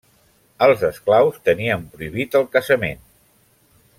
Els esclaus tenien prohibit el casament.